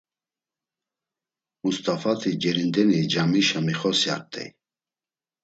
Must̆afati cerindeni camişa mixosyart̆ey.